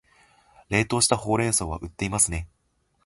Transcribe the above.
冷凍したほうれん草は売っていますね